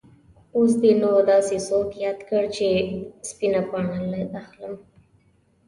اوس دې نو داسې څوک یاد کړ چې سپینه پاڼه اخلم.